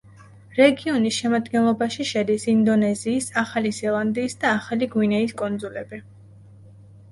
რეგიონის შემადგენლობაში შედის ინდონეზიის, ახალი ზელანდიის და ახალი გვინეის კუნძულები.